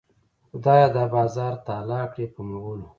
خدایه دا بازار تالا کړې په مغلو.